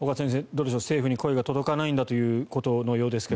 どうでしょう政府に声が届かないんだということのようですが。